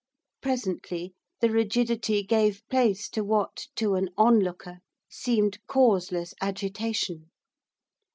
Presently the rigidity gave place to what, to an onlooker, seemed causeless agitation.